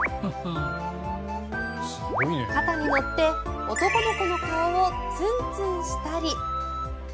肩に乗って男の子の顔をつんつんしたり。